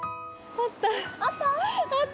あった！